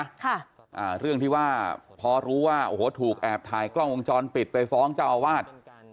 ค่ะอ่าเรื่องที่ว่าพอรู้ว่าโอ้โหถูกแอบถ่ายกล้องวงจรปิดไปฟ้องเจ้าอาวาส